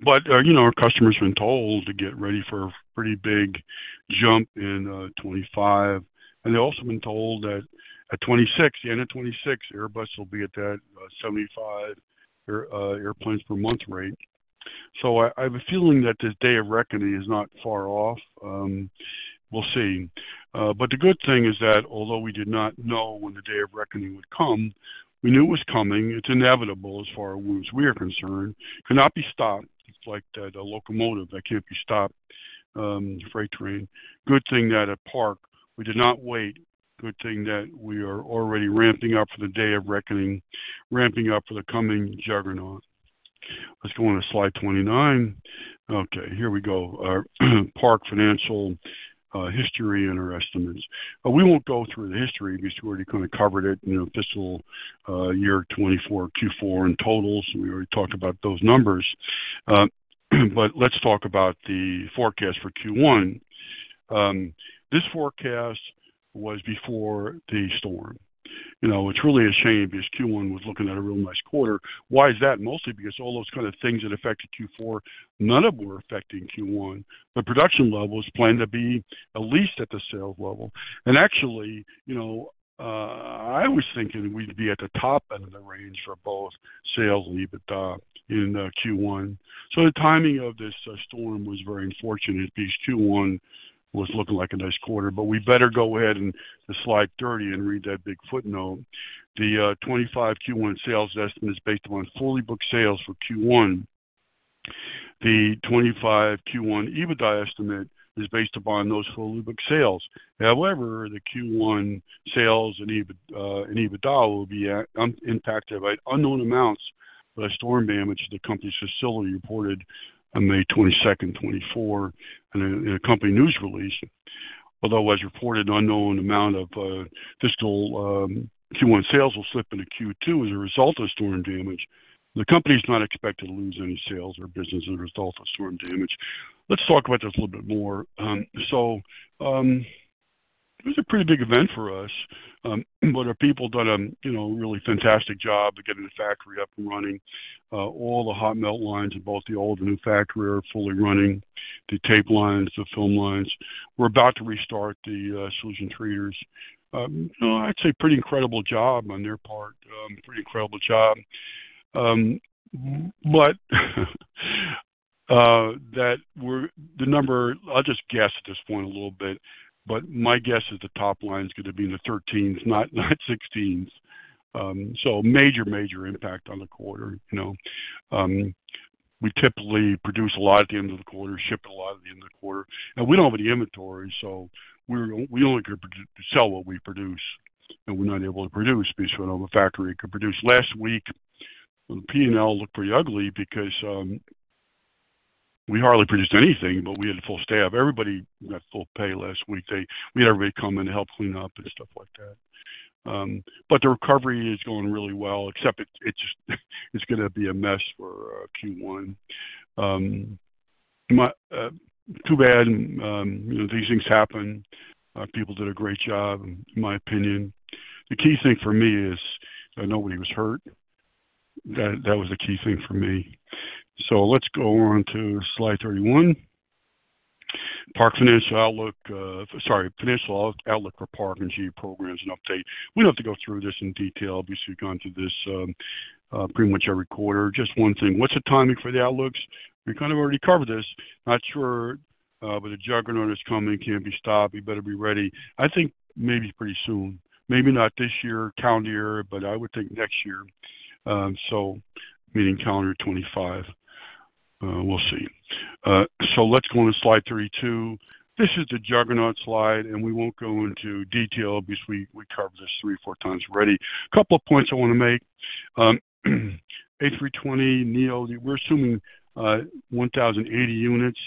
but, you know, our customers have been told to get ready for a pretty big jump in 2025, and they've also been told that at 2026, the end of 2026, Airbus will be at that 75 airplanes per month range. So I, I have a feeling that this day of reckoning is not far off. We'll see. But the good thing is that although we did not know when the day of reckoning would come, we knew it was coming. It's inevitable as far as we are concerned. It cannot be stopped. It's like the, the locomotive that can't be stopped, freight train. Good thing that at Park, we did not wait. Good thing that we are already ramping up for the day of reckoning, ramping up for the coming juggernaut. Let's go on to slide 29. Okay, here we go. Our Park financial history and our estimates. But we won't go through the history because we already kind of covered it in the fiscal year 2024, Q4 and totals. We already talked about those numbers. But let's talk about the forecast for Q1. This forecast was before the storm. You know, it's really a shame because Q1 was looking at a real nice quarter. Why is that? Mostly because all those kind of things that affected Q4, none of them were affecting Q1. The production levels planned to be at least at the sales level. And actually, you know, I was thinking we'd be at the top end of the range for both sales and EBITDA in Q1. The timing of this storm was very unfortunate because Q1 was looking like a nice quarter. We better go ahead and to slide 30 and read that big footnote. The 2025 Q1 sales estimate is based upon fully booked sales for Q1. The 2025 Q1 EBITDA estimate is based upon those fully booked sales. However, the Q1 sales and EBITDA will be impacted by unknown amounts by storm damage to the company's facility, reported on May 22, 2024 in a company news release. Although, as reported, an unknown amount of fiscal Q1 sales will slip into Q2 as a result of storm damage, the company is not expected to lose any sales or business as a result of storm damage. Let's talk about this a little bit more. It was a pretty big event for us. But our people done a, you know, really fantastic job of getting the factory up and running. All the hot melt lines in both the old and new factory are fully running, the tape lines, the film lines. We're about to restart the solution treaters. I'd say pretty incredible job on their part. Pretty incredible job. But that we're the number. I'll just guess at this point a little bit, but my guess is the top line is going to be in the 13s, not 16s. So major, major impact on the quarter. You know, we typically produce a lot at the end of the quarter, ship a lot at the end of the quarter, and we don't have any inventory, so we only could sell what we produce, and we're not able to produce because we don't have a factory that could produce. Last week, the P&L looked pretty ugly because we hardly produced anything, but we had a full staff. Everybody got full pay last week. We had everybody come in to help clean up and stuff like that. But the recovery is going really well, except it's going to be a mess for Q1. Too bad, you know, these things happen. Our people did a great job, in my opinion. The key thing for me is that nobody was hurt. That was the key thing for me. So let's go on to slide 31. Park Financial Outlook, sorry, Financial Outlook for Park and GE Programs, an update. We don't have to go through this in detail. Obviously, we've gone through this, pretty much every quarter. Just one thing. What's the timing for the outlooks? We kind of already covered this. Not sure, but the juggernaut is coming, can't be stopped. We better be ready. I think maybe pretty soon. Maybe not this year, calendar year, but I would think next year. So meaning calendar 2025. We'll see. So let's go on to slide 32. This is the juggernaut slide, and we won't go into detail because we covered this three or four times already. A couple of points I want to make. A320neo, we're assuming 1,080 units,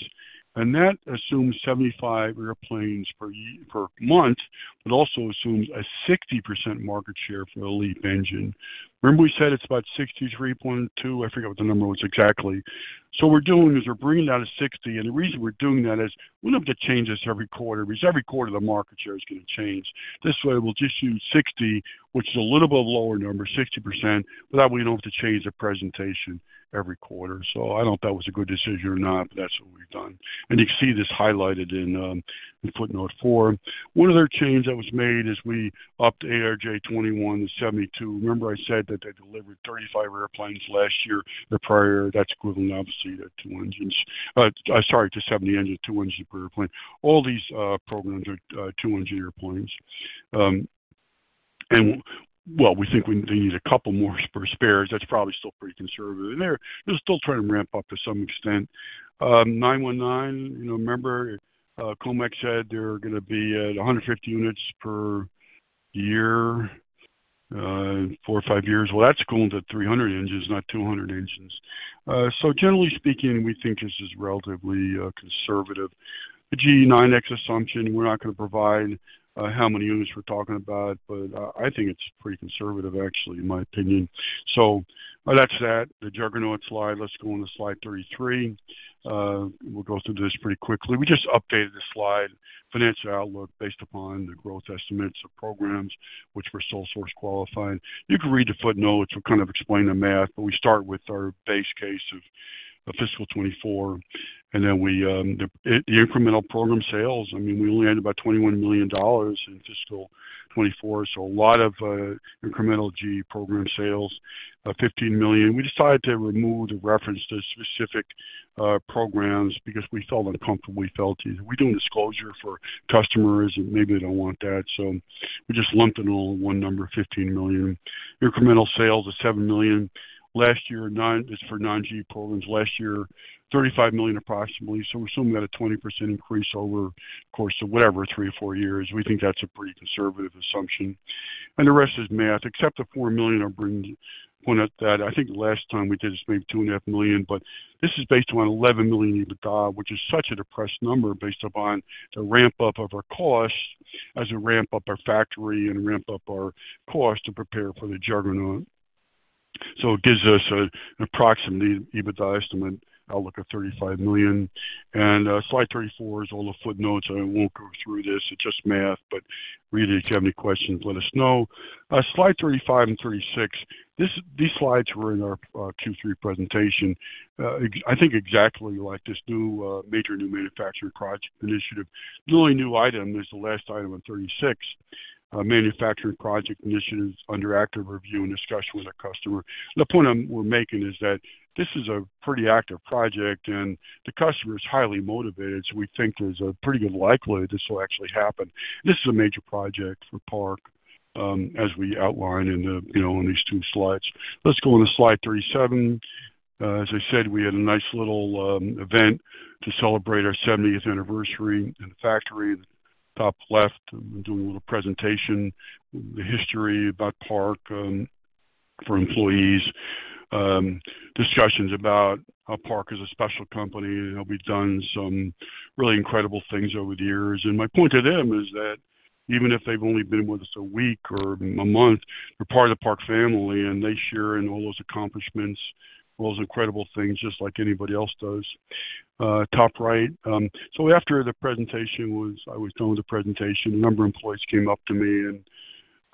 and that assumes 75 airplanes per month, but also assumes a 60% market share for the LEAP engine. Remember we said it's about 63.2? I forget what the number was exactly. So what we're doing is we're bringing down to 60, and the reason we're doing that is we don't have to change this every quarter, because every quarter, the market share is going to change. This way, we'll just use 60, which is a little bit lower number, 60%. But that way, we don't have to change the presentation every quarter. So I don't know if that was a good decision or not, but that's what we've done. And you can see this highlighted in footnote four. One other change that was made is we upped the ARJ21, 72. Remember I said that they delivered 35 airplanes last year, the prior year? That's equivalent, obviously, to two engines. Sorry, just 70 engines, two engines per airplane. All these programs are two-engine airplanes. And well, we think we need a couple more for spares. That's probably still pretty conservative, and they're still trying to ramp up to some extent. C919, you know, remember, COMAC said they're going to be at 150 units per year, in four or five years. Well, that's going to 300 engines, not 200 engines. So generally speaking, we think this is relatively conservative. The GE9X assumption, we're not going to provide how many units we're talking about, but I think it's pretty conservative, actually, in my opinion. So that's that, the juggernaut slide. Let's go on to slide 33. We'll go through this pretty quickly. We just updated this slide, financial outlook, based upon the growth estimates of programs which were sole-source qualified. You can read the footnotes. We kind of explain the math, but we start with our base case of fiscal 2024, and then we the incremental program sales. I mean, we only had about $21 million in fiscal 2024, so a lot of incremental GE program sales $15 million. We decided to remove the reference to specific programs because we felt uncomfortable. We felt we're doing disclosure for customers, and maybe they don't want that, so we just lumped it all in one number, $15 million. Incremental sales of $7 million. Last year, 9 this is for non-GE programs. Last year, $35 million, approximately. So we're assuming that a 20% increase over the course of whatever, three or four years, we think that's a pretty conservative assumption. And the rest is math, except the $4 million. I'll bring, point out that I think last time we did this, maybe $2.5 million, but this is based on $11 million EBITDA, which is such a depressed number, based upon the ramp-up of our costs as we ramp up our factory and ramp up our costs to prepare for the juggernaut. So it gives us an approximate EBITDA estimate outlook of $35 million. Slide 34 is all the footnotes, and I won't go through this. It's just math, but read it. If you have any questions, let us know. Slide 35 and 36. These slides were in our Q3 presentation. I think exactly like this new major new manufacturing project initiative. The only new item is the last item on 36. Manufacturing project initiatives under active review and discussion with our customer. The point we're making is that this is a pretty active project, and the customer is highly motivated, so we think there's a pretty good likelihood this will actually happen. This is a major project for Park, as we outlined in the, you know, in these two slides. Let's go on to slide 37. As I said, we had a nice little event to celebrate our seventieth anniversary in the factory. In the top left, I'm doing a little presentation, the history about Park for employees, discussions about how Park is a special company, and how we've done some really incredible things over the years. And my point to them is that even if they've only been with us a week or a month, they're part of the Park family, and they share in all those accomplishments, all those incredible things, just like anybody else does. Top right. So after the presentation, I was done with the presentation, a number of employees came up to me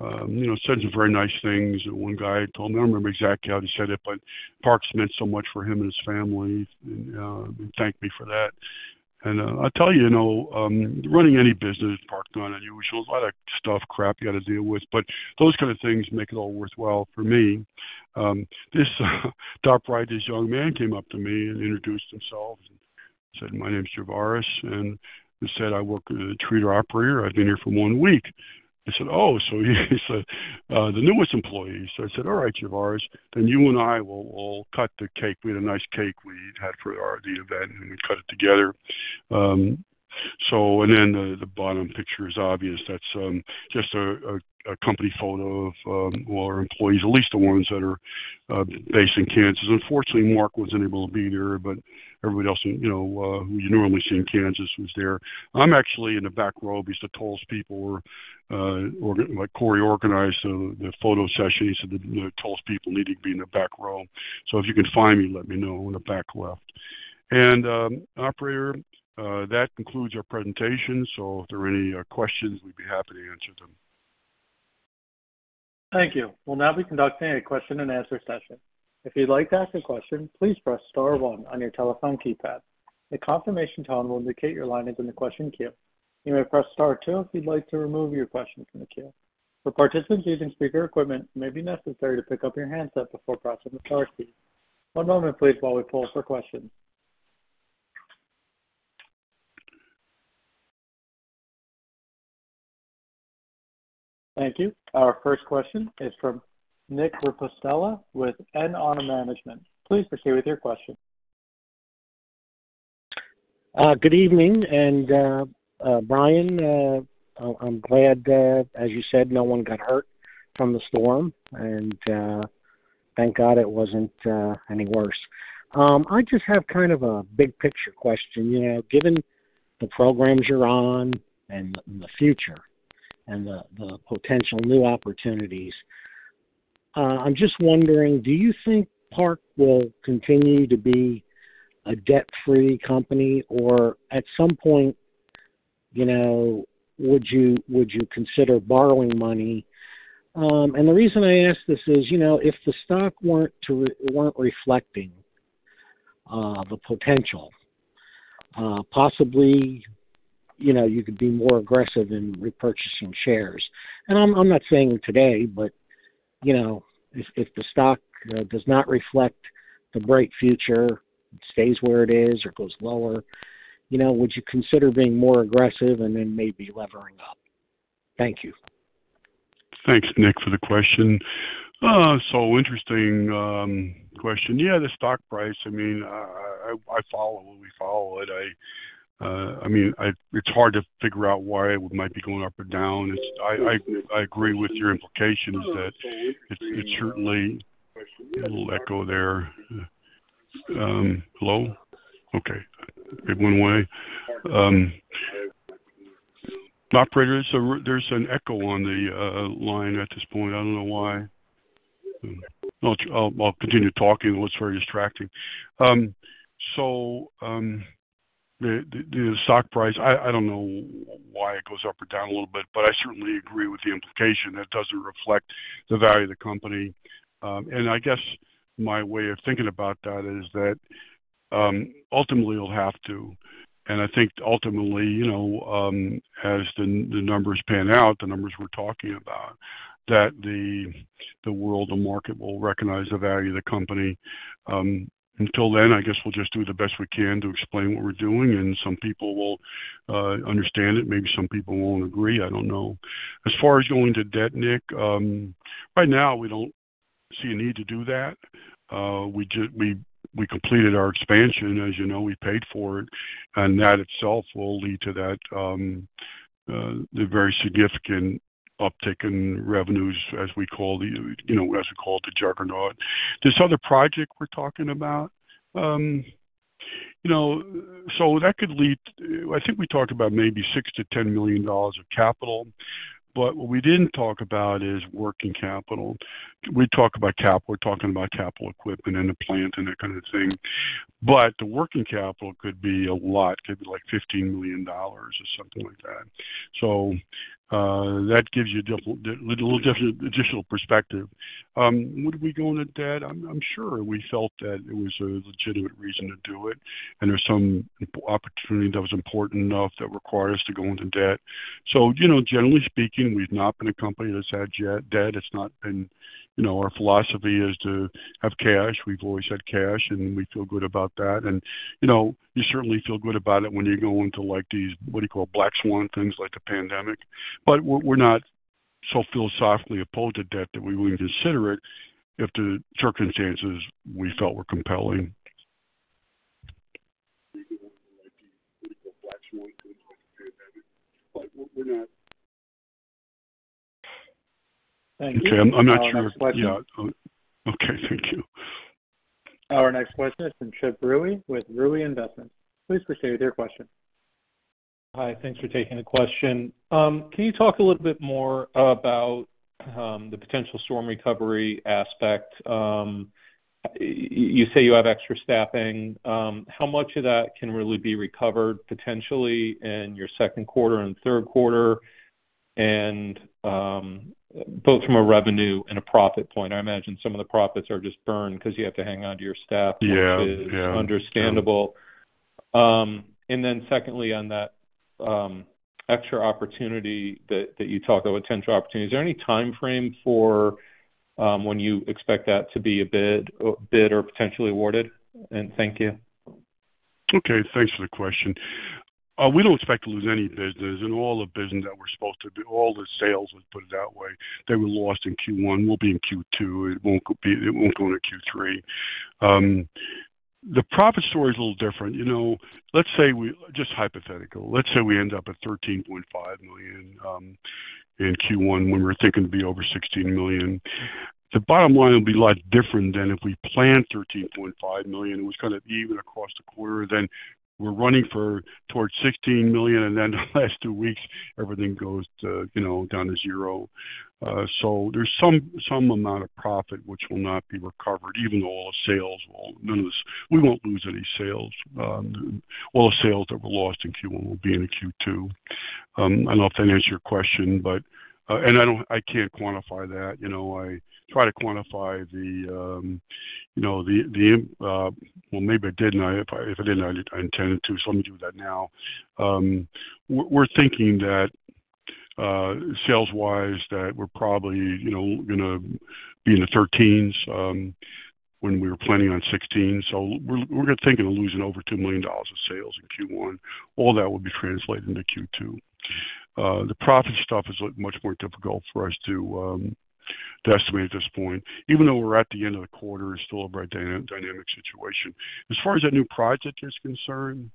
and, you know, said some very nice things. One guy told me, I don't remember exactly how he said it, but Park's meant so much for him and his family, and thanked me for that. And, I'll tell you, you know, running any business, Park's gone unusual, a lot of stuff, crap you got to deal with, but those kind of things make it all worthwhile for me. This, top right, this young man came up to me and introduced himself and said, "My name is Javaris," and he said, "I work as a treater operator. I've been here for one week." I said, "Oh, so he's," I said, the newest employee. So I said, "All right, Javaris, then you and I will, will cut the cake." We had a nice cake we had for our the event, and we cut it together. So and then the, the bottom picture is obvious. That's just a company photo of all our employees, at least the ones that are based in Kansas. Unfortunately, Mark wasn't able to be there, but everybody else, you know, you normally see in Kansas was there. I'm actually in the back row because the tallest people were like, Corey organized the photo session, so the tallest people needed to be in the back row. So if you can find me, let me know in the back left. And, operator, that concludes our presentation. So if there are any questions, we'd be happy to answer them. Thank you. We'll now be conducting a question-and-answer session. If you'd like to ask a question, please press star one on your telephone keypad. A confirmation tone will indicate your line is in the question queue. You may press star two if you'd like to remove your question from the queue. For participants using speaker equipment, it may be necessary to pick up your handset before pressing the star key. One moment, please, while we pull for questions. Thank you. Our first question is from Nick Ripostella with NR Management. Please proceed with your question. Good evening. Brian, I'm glad that, as you said, no one got hurt from the storm, and thank God it wasn't any worse. I just have kind of a big picture question. You know, given the programs you're on and the future and the potential new opportunities, I'm just wondering, do you think Park will continue to be a debt-free company, or at some point, you know, would you consider borrowing money? And the reason I ask this is, you know, if the stock weren't reflecting the potential, possibly, you know, you could be more aggressive in repurchasing shares. I'm not saying today, but you know, if the stock does not reflect the bright future, it stays where it is or goes lower, you know, would you consider being more aggressive and then maybe levering up? Thank you. Thanks, Nick, for the question. So interesting question. Yeah, the stock price, I mean, I follow we follow it. I mean, it's hard to figure out why it might be going up or down. I agree with your implications that it's certainly... A little echo there. Hello? Okay, it went away. Operator, so there's an echo on the line at this point. I don't know why. I'll continue talking. Well, it's very distracting. So, the stock price, I don't know why it goes up or down a little bit, but I certainly agree with the implication that it doesn't reflect the value of the company. And I guess my way of thinking about that is that ultimately, it'll have to. I think ultimately, you know, as the numbers pan out, the numbers we're talking about, that the world, the market, will recognize the value of the company. Until then, I guess we'll just do the best we can to explain what we're doing, and some people will understand it. Maybe some people won't agree. I don't know. As far as going to debt, Nick, right now, we don't see a need to do that. We completed our expansion. As you know, we paid for it, and that itself will lead to that, the very significant uptick in revenues as we call it, you know, the juggernaut. This other project we're talking about, you know, so that could lead... I think we talked about maybe $6 million -$10 million of capital, but what we didn't talk about is working capital. We talked about capital we're talking about capital equipment and the plant and that kind of thing, but the working capital could be a lot, could be, like, $15 million or something like that. So, that gives you a little little additional perspective. Would we go into debt? I'm sure we felt that it was a legitimate reason to do it, and there's some opportunity that was important enough that required us to go into debt. So, you know, generally speaking, we've not been a company that's had debt. It's not been. You know, our philosophy is to have cash. We've always had cash, and we feel good about that. You know, you certainly feel good about it when you go into, like, these, what do you call, black swan things, like the pandemic. But we're not so philosophically opposed to debt that we wouldn't consider it if the circumstances we felt were compelling. Thank you. Okay. I'm not sure. Yeah. Okay, thank you. Our next question is from Chip Rewey with Rewey Asset Management. Please proceed with your question. Hi, thanks for taking the question. Can you talk a little bit more about the potential storm recovery aspect? You say you have extra staffing. How much of that can really be recovered potentially in your second quarter and third quarter, and both from a revenue and a profit point? I imagine some of the profits are just burned because you have to hang on to your staff. Yeah. Yeah. Understandable. And then secondly, on that extra opportunity that you talked about, potential opportunity, is there any time frame for when you expect that to be a bid or potentially awarded? And thank you. Okay, thanks for the question. We don't expect to lose any business in all the business that we're supposed to do. All the sales, let's put it that way, they were lost in Q1, will be in Q2. It won't be. It won't go into Q3. The profit story is a little different. You know, let's say we... Just hypothetical. Let's say we end up at $13.5 million in Q1, when we were thinking to be over $16 million. The bottom line will be a lot different than if we plan $13.5 million, it was kind of even across the quarter. Then we're running for, towards $16 million, and then the last two weeks, everything goes to, you know, down to zero. So there's some amount of profit which will not be recovered, even though all sales, all none of this, we won't lose any sales. All the sales that were lost in Q1 will be in Q2. I don't know if that answers your question, but and I don't, I can't quantify that. You know, I try to quantify the, you know, the, the, well, maybe I didn't. If I didn't, I intended to, so let me do that now. We're thinking that, sales-wise, that we're probably, you know, gonna be in the 13s, when we were planning on 16. So we're gonna thinking of losing over $2 million of sales in Q1. All that will be translated into Q2. The profit stuff is, like, much more difficult for us to estimate at this point. Even though we're at the end of the quarter, it's still a very dynamic situation. As far as that new project is concerned,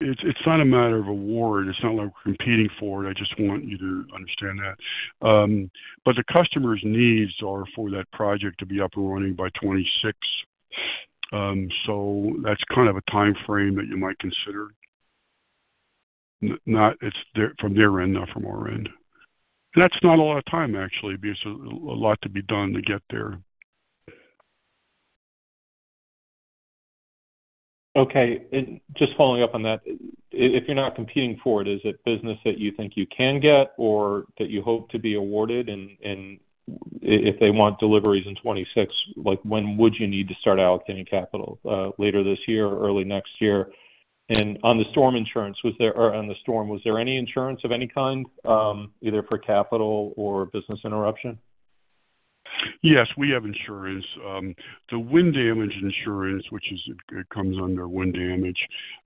it's not a matter of award. It's not like we're competing for it. I just want you to understand that. But the customer's needs are for that project to be up and running by 2026. So that's kind of a time frame that you might consider. Not it's their, from their end, not from our end. That's not a lot of time, actually, because there's a lot to be done to get there. Okay. And just following up on that, if you're not competing for it, is it business that you think you can get or that you hope to be awarded? And if they want deliveries in 2026, like, when would you need to start allocating capital, later this year or early next year? And on the storm insurance, was there, or on the storm, was there any insurance of any kind, either for capital or business interruption? Yes, we have insurance. The wind damage insurance, which comes under wind damage.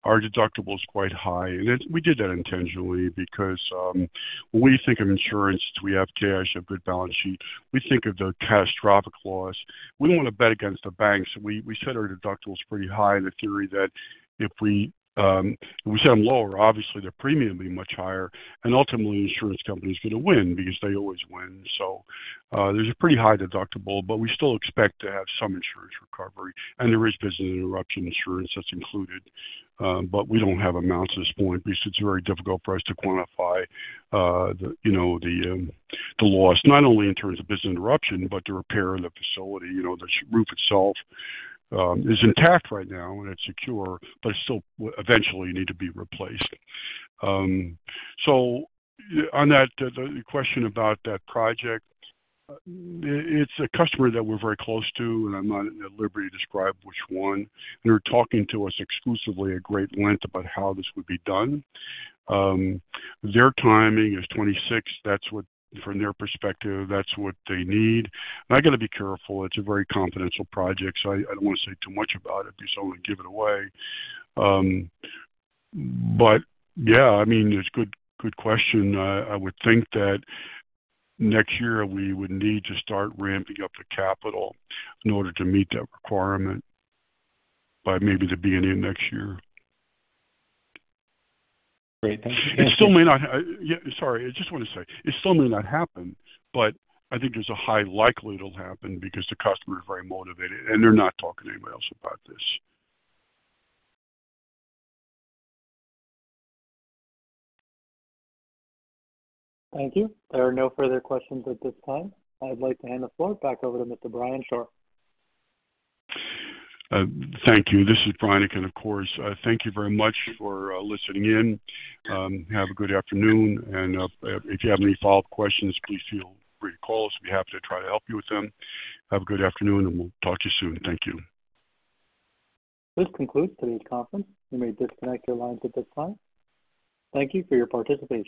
Our deductible is quite high, and we did that intentionally because when we think of insurance, we have cash, a good balance sheet. We think of the catastrophic loss. We don't want to bet against the banks. We set our deductibles pretty high on the theory that if we set them lower, obviously the premium will be much higher, and ultimately the insurance company is going to win because they always win. So, there's a pretty high deductible, but we still expect to have some insurance recovery. There is business interruption insurance that's included, but we don't have amounts at this point because it's very difficult for us to quantify, you know, the loss, not only in terms of business interruption, but the repair of the facility. You know, the roof itself is intact right now and it's secure, but it still will eventually need to be replaced. So on that, the question about that project, it's a customer that we're very close to, and I'm not at liberty to describe which one. They're talking to us exclusively at great length about how this would be done. Their timing is 26. That's what, from their perspective, that's what they need. And I got to be careful. It's a very confidential project, so I don't want to say too much about it because I don't want to give it away. But yeah, I mean, it's good, good question. I would think that next year we would need to start ramping up the capital in order to meet that requirement by maybe the beginning of next year. Great, thank you. It still may not. I just want to say it still may not happen, but I think there's a high likelihood it'll happen because the customer is very motivated, and they're not talking to anybody else about this. Thank you. There are no further questions at this time. I'd like to hand the floor back over to Mr. Brian Shore. Thank you. This is Brian again, of course. Thank you very much for listening in. Have a good afternoon, and if you have any follow-up questions, please feel free to call us. We'll be happy to try to help you with them. Have a good afternoon, and we'll talk to you soon. Thank you. This concludes today's conference. You may disconnect your lines at this time. Thank you for your participation.